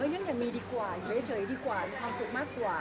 ยังก็ยังมีดีกว่าเยอะเฉยดีกว่าความสุขมากกว่า